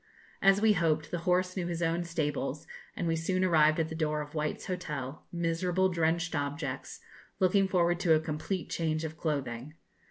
As we hoped, the horse knew his own stables, and we soon arrived at the door of White's hotel, miserable, drenched objects, looking forward to a complete change of clothing.